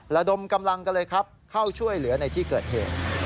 ระดมกำลังกันเลยครับเข้าช่วยเหลือในที่เกิดเหตุ